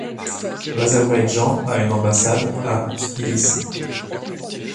L'Azerbaïdjan a une ambassade à Tbilissi.